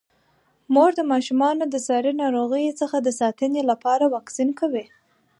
مور د ماشومانو د ساري ناروغیو څخه د ساتنې لپاره واکسین کوي.